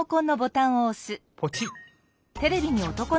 ポチッ！